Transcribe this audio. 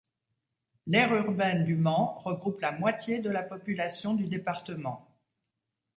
L'aire urbaine du Mans regroupe la moitié de la population du département.